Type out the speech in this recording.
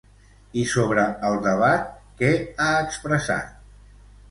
I sobre el debat què ha expressat?